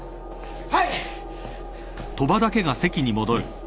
はい！